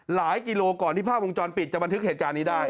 หลายกิโลกรัมก่อนที่ผ้าวงจรปิดจะบันทึกเหตุการณ์นี้ได้